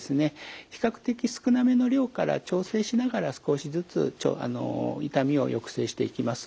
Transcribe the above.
比較的少なめの量から調整しながら少しずつあの痛みを抑制していきます。